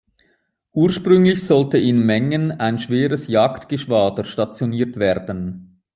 Ursprünglich sollte in Mengen ein schweres Jagdgeschwader stationiert werden.